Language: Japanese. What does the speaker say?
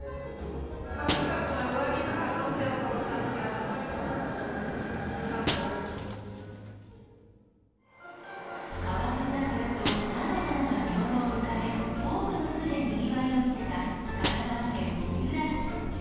寒かったら上着とかどうしようと思ってたんですけど、あった河津桜と菜の花が見頃を迎え、多くの人でにぎわいを見せた神奈川県三浦市。